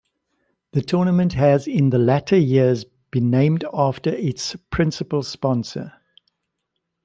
The tournament has in the latter years been named after its principal sponsor.